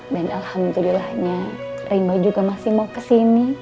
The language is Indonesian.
dan alhamdulillahnya limba juga masih mau kesini